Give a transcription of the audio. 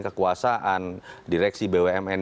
kekuasaan direksi bumn